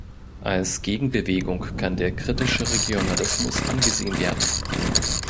Als Gegenbewegung kann der kritische Regionalismus angesehen werden.